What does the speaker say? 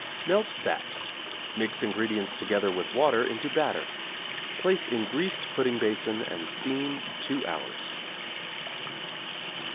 Melt fat, mix ingredients together with water into batter; place in greased pudding basin and steam 2 hours.